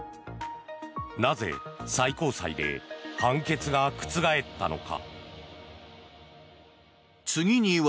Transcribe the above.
なぜ、最高裁で判決が覆ったのか。